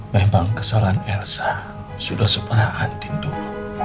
memang kesalahan elsa sudah separah antin dulu